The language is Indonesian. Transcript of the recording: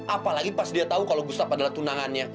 apalagi pas dia tahu kalau gustap adalah tunangannya